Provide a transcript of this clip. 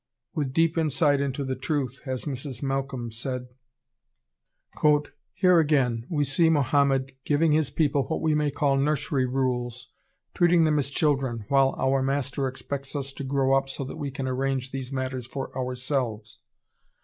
With deep insight into the truth has Mrs. Malcolm said: "Here again we see Mohammed giving his people what we may call 'nursery rules,' treating them as children, while our Master expects us to grow up so that we can arrange these matters for ourselves.